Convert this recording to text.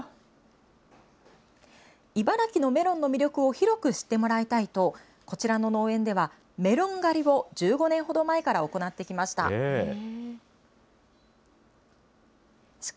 茨城のメロンの魅力を広く知ってもらいたいと、こちらの農園では、メロン狩りを１５年ほど前から行ってきました。